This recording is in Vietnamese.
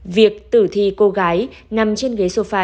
việc tử thi cô gái nằm trên ghế sofa